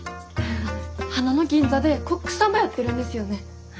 花の銀座でコックさんばやってるんですよね？